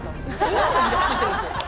今もイラついてるんですよ。